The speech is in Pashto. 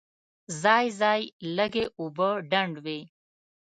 ځای ځای لږې اوبه ډنډ وې.